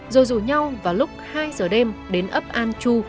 rồi rủ nhau vào lúc hai giờ đêm đến ấp an chu